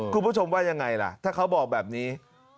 คุณผู้ชมว่ายังไงล่ะถ้าเขาบอกแบบนี้